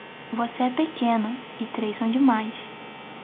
Você é pequeno e três são demais.